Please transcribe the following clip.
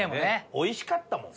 美味しかったもん。